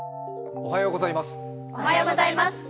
おはようございます。